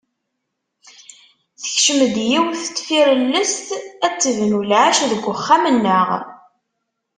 Tekcem-d yiwet n tfirellest ad tebnu lɛecc deg uxxam-nneɣ.